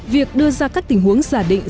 việc đưa ra các tình huống giả định